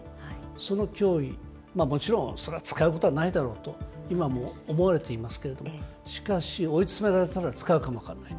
その脅威、もちろん、それは使うことはないだろうと、今も思われていますけれども、しかし、追い詰められたら、使うかもわからないと。